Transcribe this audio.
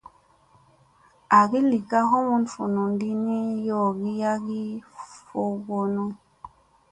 Agi li ka humun vunun di ni yowgi hagi fogonu.